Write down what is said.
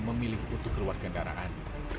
memilih untuk keluar kendaraan